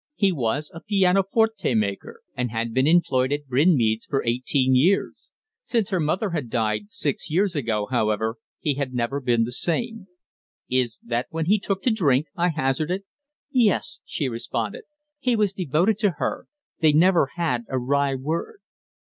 He was a pianoforte maker, and had been employed at Brinsmead's for eighteen years. Since her mother died, six years ago, however, he had never been the same. "It was then that he took to drink?" I hazarded. "Yes," she responded. "He was devoted to her. They never had a wry word."